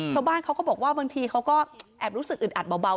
ชาวบ้านเขาก็บอกว่าบางทีเขาก็แอบรู้สึกอึดอัดเบา